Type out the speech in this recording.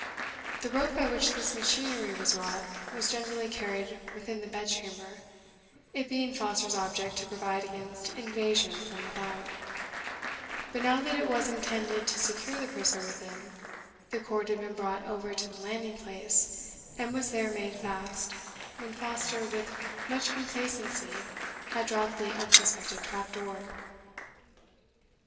The rope by which this machinery was wrought was generally carried within the bedchamber, it being Foster's object to provide against invasion from without; but now that it was intended to secure the prisoner within, the cord had been brought over to the landing place, and was there made fast, when Foster with much complacency had dropped the unsuspected trap door.